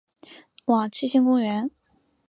往七星公园